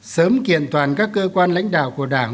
sớm kiện toàn các cơ quan lãnh đạo của đảng